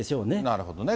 なるほどね。